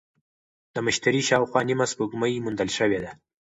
د مشتري شاوخوا نیمه سپوږمۍ موندل شوې ده.